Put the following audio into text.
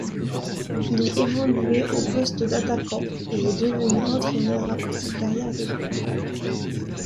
Il évoluait au poste d'attaquant et est devenu entraîneur après sa carrière de joueur.